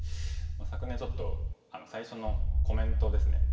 昨年ちょっと最初のコメントですね。